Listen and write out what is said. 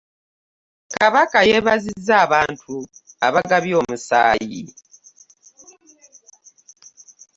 Kabaka yeebaziza abantu abaagabye omusaayi.